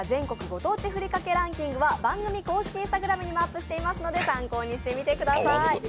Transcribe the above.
ご当地ふりかけランキングは番組公式Ｉｎｓｔａｇｒａｍにもアップしていますので参考にしてみてください。